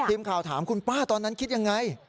เตรียมข่าวถามคุณป้าตอนนั้นคิดอย่างไร